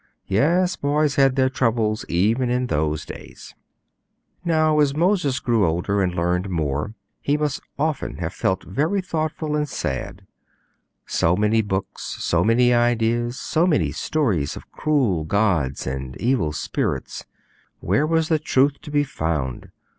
Yes, boys had their troubles even in those days. Now, as Moses grew older and learned more, he must often have felt very thoughtful and sad. So many books, so many ideas, so many stories of cruel gods and evil spirits where was the truth to be found?